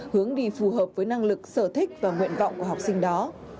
hướng đi phù hợp với năng lực sở thích và nguyện vọng của học sinh đó